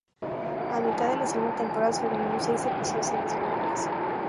A mitad de la segunda temporada, se ordenó un seis episodios adicionales.